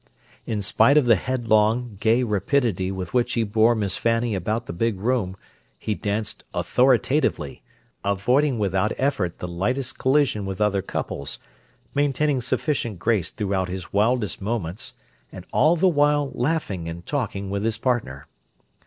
In spite of the headlong, gay rapidity with which he bore Miss Fanny about the big room, he danced authoritatively, avoiding without effort the lightest collision with other couples, maintaining sufficient grace throughout his wildest moments, and all the while laughing and talking with his partner.